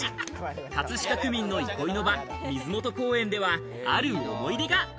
葛飾区民の憩いの場、水元公園では、ある思い出が。